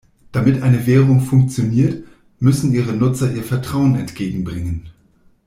Damit eine Währung funktioniert, müssen ihre Nutzer ihr Vertrauen entgegenbringen.